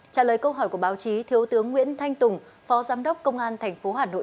trả lời câu hỏi của báo chí thiếu tướng nguyễn thanh tùng phó giám đốc công an tp hà nội